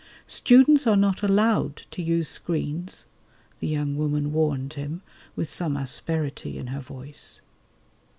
"Students are not allowed to use screens," the young woman warned him with some asperity in her voice.